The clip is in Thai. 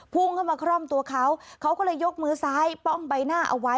พุ่งเข้ามาคร่อมตัวเขาเขาก็เลยยกมือซ้ายป้องใบหน้าเอาไว้